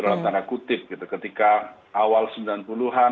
dalam tanda kutip gitu ketika awal sembilan puluh an